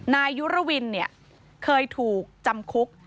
นายยุรวินเคยถูกจำคุก